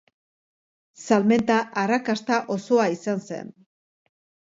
Salmenta arrakasta osoa izan zen.